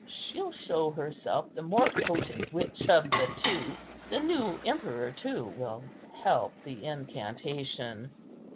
She'll show herself the more potent witch of the two. The new emperor too will help the incantation."